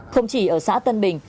không chỉ ở xã tân bình